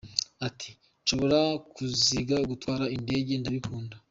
Ati “Nshobora kuziga gutwara indege, ndabikunda.